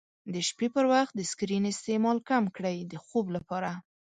د شپې پر وخت د سکرین استعمال کم کړئ د خوب لپاره.